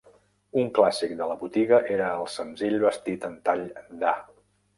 Un clàssic de la botiga era el senzill vestit en tall d'A.